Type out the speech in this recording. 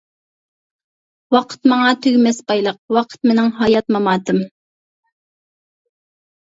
ۋاقىت ماڭا تۈگىمەس بايلىق، ۋاقىت مېنىڭ ھايات-ماماتىم.